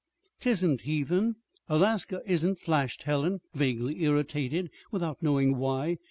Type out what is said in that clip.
"Tisn't heathen Alaska isn't," flashed Helen, vaguely irritated without knowing why.